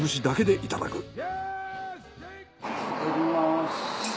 いただきます。